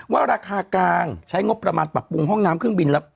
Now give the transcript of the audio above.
ว่าราคากลางใช้งบประมาณปรับปรุงห้องน้ำเครื่องบินแล้ว